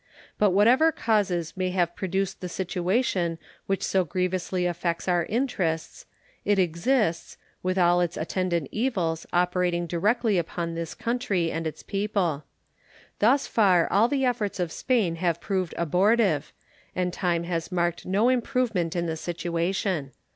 But whatever causes may have produced the situation which so grievously affects our interests, it exists, with all its attendant evils operating directly upon this country and its people. Thus far all the efforts of Spain have proved abortive, and time has marked no improvement in the situation.